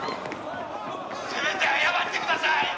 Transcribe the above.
「せめて謝ってください！」